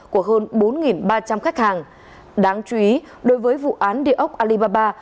của hơn bốn ba trăm linh khách hàng đáng chú ý đối với vụ án địa ốc alibaba